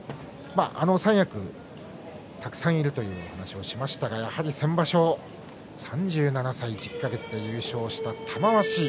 三役たくさんいるという話をしましたが、やはり先場所３７歳１０か月で優勝した玉鷲。